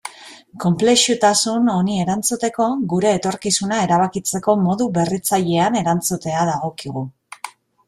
Konplexutasun honi erantzuteko, gure etorkizuna erabakitzeko modu berritzailean erantzutea dagokigu.